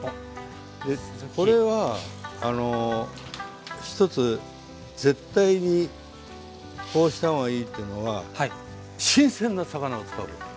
これは一つ絶対にこうした方がいいというのは新鮮な魚を使うこと！